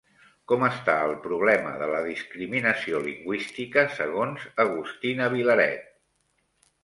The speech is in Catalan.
Com està el problema de la discriminació lingüística segons Agustina Vilaret?